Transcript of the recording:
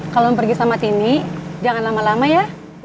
kalo mau pergi sama tini jangan lama lama ya